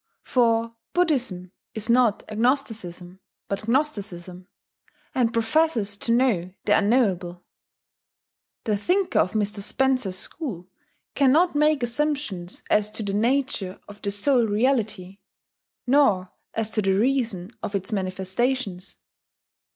For Buddhism is not agnosticism, but gnosticism, and professes to know the unknowable. The thinker of Mr. Spencer's school cannot make assumptions as to the nature of the sole Reality, nor as to the reason of its manifestations.